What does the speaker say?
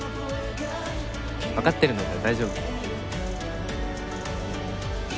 わかってるので大丈夫。